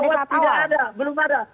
di jawa tidak ada belum ada